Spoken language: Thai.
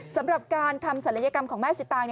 สำหรับการทำศัลยกรรมของแม่สิตาง